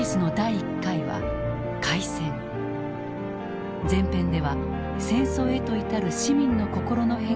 前編では戦争へと至る市民の心の変化を見つめた。